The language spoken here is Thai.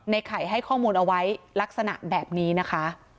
ไข่ให้ข้อมูลเอาไว้ลักษณะแบบนี้นะคะ